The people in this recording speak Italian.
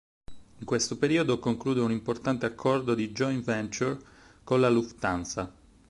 In questo periodo conclude un importante accordo di joint venture con la Lufthansa.